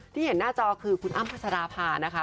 ที่เห็นหน้าจอคือคุณอ้ำพัชราภานะคะ